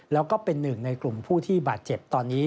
แล้วก็เป็นหนึ่งในกลุ่มผู้ที่บาดเจ็บตอนนี้